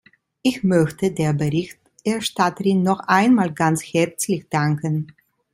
Ich möchte der Berichterstatterin noch einmal ganz herzlich danken.